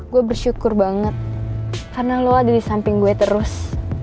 gue bersyukur banget karena lo ada di samping gue terus